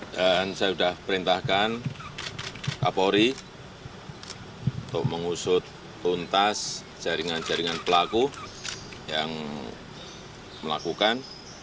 dan saya sudah perintahkan kapolri untuk mengusut untas jaringan jaringan pelaku yang melakukan